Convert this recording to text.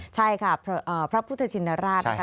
ใช่ค่ะพระพุทธชินราช